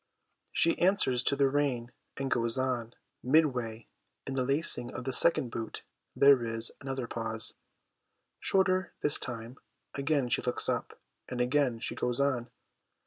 She answers to the rein and goes on ; midway, in the lacing of the second boot, there is another pause, shorter this time; again she looks up, and again she goes on.